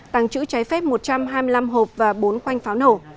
tăng chữ trái phép một trăm hai mươi năm hộp và bốn quanh pháo nổ